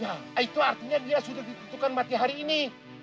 ya itu artinya dia sudah ditutupkan mati hari ini